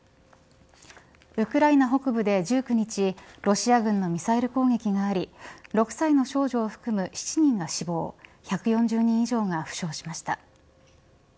ウクライナ北部で１９日ロシア軍のミサイル攻撃があり６歳の少女を含む７人が死亡１４０人以上が負傷しました。